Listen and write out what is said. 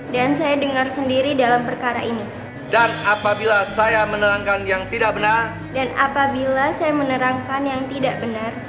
dan apabila saya menerangkan yang tidak benar